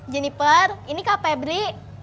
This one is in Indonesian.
jeniper ini kak febri